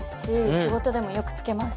仕事でもよくつけます